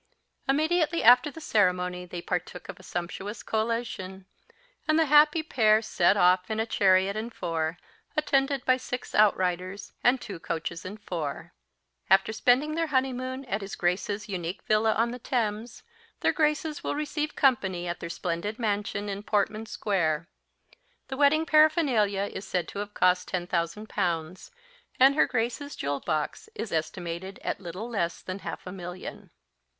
Immediately after the ceremony they partook of a sumptuous collation, and the happy pair set off in a chariot and four, attended by six outriders, and two coaches and four. "After spending the honeymoon at his Grace's unique villa on the Thames, their Graces will receive company at their splendid mansion in Portman Square. The wedding paraphernalia is said to have cost ten thousand pounds; and her Grace's jewel box is estimated at little less than half a million."